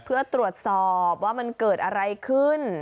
เพื่อตรวจสอบว่ามันเกิดอะไรขึ้น